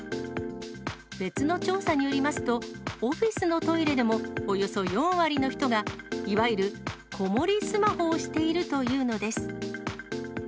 別の調査によりますと、オフィスのトイレでも、およそ４割の人が、いわゆるこもりスマホをしているというのです。